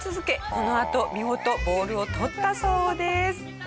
このあと見事ボールを取ったそうです。